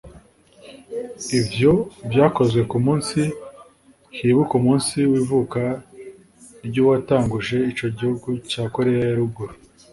Ivyo vyakozwe ku musi hibukwa umusi w'ivuka ry'uwatanguje ico gihugu ca Koreya ya Ruguru